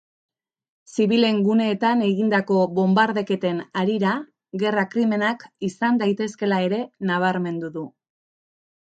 Zibilen guneetan egindako bonbardaketen harira, gerra-krimenak izan daitezkeela ere nabarmendu du.